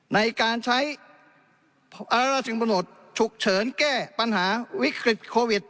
ในการใช้พระราชกำหนดชุกเฉินแก้ปัญหายากริจโควิด